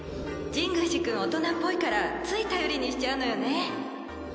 神宮寺くん大人っぽいからつい頼りにしちゃうのよね。